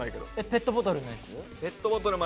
ペットボトルのやつ？